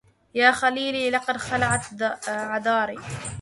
يا خليلي قد خلعت عذاري